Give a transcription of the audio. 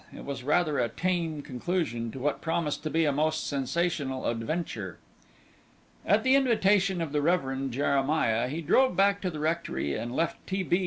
It was rather a tame conclusion to what promised to be a most sensational adventure." At the invitation of the Reverend Jeremiah he drove back to the rectory, and left T. B.